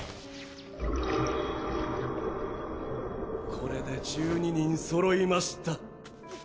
これで１２人揃いました。